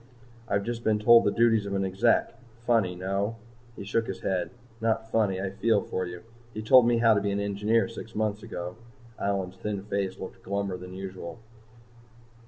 "I've just been told the duties of an Exec. Funny no?" He shook his head. "Not funny. I feel for you. He told me how to be an engineer six months ago." Allyn's thin face looked glummer than usual.